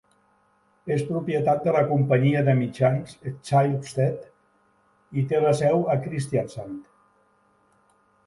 És propietat de la companyia de mitjans Schibsted i té la seu a Kristiansand.